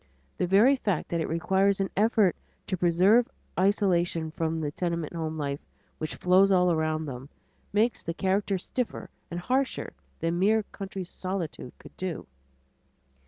The very fact that it requires an effort to preserve isolation from the tenement house life which flows all about them, makes the character stiffer and harsher than mere country solitude could do.